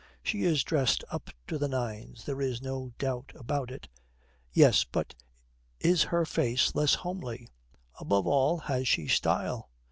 She is dressed up to the nines, there is no doubt about it. Yes, but is her face less homely? Above all, has she style?